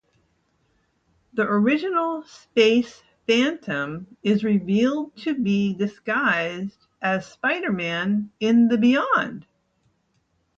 The original Space Phantom is revealed to be disguised as Spider-Man in the Beyond!